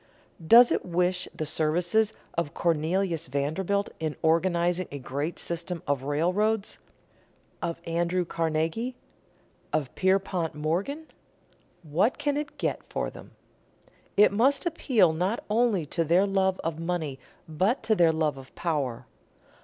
Does it wish the services of Cornelius Vanderbilt in organizing a great system of railroads, of Andrew Carnegie, of Pierpont Morgan? What can it get them for? It must appeal not only to their love of money but to their love of power.